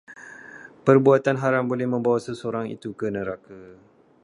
Perbuatan haram boleh membawa seseorang itu ke neraka